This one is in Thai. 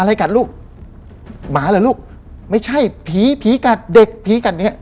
อะไรกัดลูกหมาเหรอลูกไม่ใช่ผีผีกัดเด็กผีกัดเนี้ย